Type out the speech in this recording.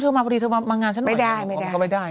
อุ๊ยเธอมาพอดีเธอมางานฉันหน่อยมันก็ไม่ได้ไงนะครับมันก็ไม่ได้